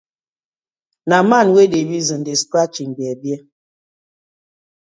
Na man wey dey reason dey scratch im bear-bear.